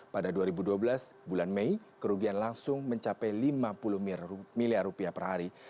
pada dua ribu dua belas bulan mei kerugian langsung mencapai lima puluh miliar rupiah per hari